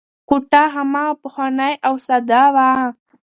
کوټه هماغه پخوانۍ او ساده وه.